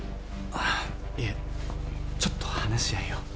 あっいえちょっと話し合いを。